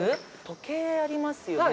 時計ありますよね。